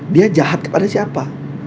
dia jahat kepada siapa